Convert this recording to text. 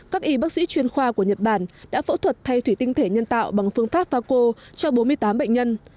các y bác sĩ chuyên khoa của nhật bản đã phẫu thuật thay thủy tinh thể nhân tạo bằng phương pháp faco cho bốn mươi tám bệnh nhân